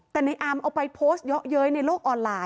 แต่ในอามเอาไปโพสต์เยอะเย้ยในโลกออนไลน์